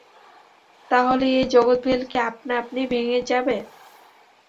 তা হলেই এই জগৎভেল্কি আপনি-আপনি ভেঙে যাবে।